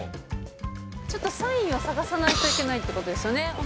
ちょっとサインを探さないといけないってことですよね。